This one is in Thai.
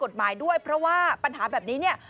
ด้วยเพราะว่าปัญหาแบบนี้เนี่ย